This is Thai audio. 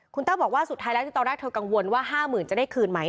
คุณแต้วบอกว่าสุดท้ายแล้วที่ตอนแรกเธอกังวลว่า๕๐๐๐จะได้คืนไหม